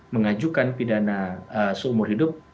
mengajukan pidana seumur hidup